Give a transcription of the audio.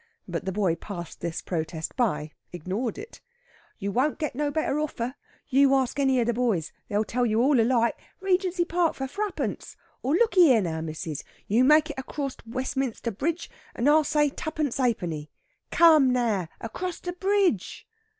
But the boy passed this protest by ignored it. "You won't get no better oarfer. You ask any of the boys. They'll tell you all alike. Regency Park for thruppence. Or, lookey here now, missis! You make it acrorst Westminster Bridge, and I'll say twopence 'a'penny. Come now! Acrorst a bridge!"